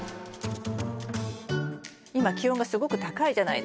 今気温がすごく高いじゃないですか。